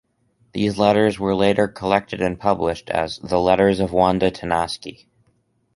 These letters were later collected and published as "The Letters of Wanda Tinasky".